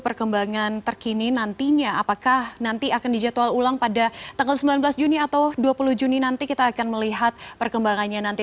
perkembangan terkini nantinya apakah nanti akan dijadwal ulang pada tanggal sembilan belas juni atau dua puluh juni nanti kita akan melihat perkembangannya nanti